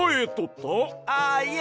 あっいえ。